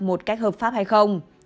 một cách hợp pháp hay không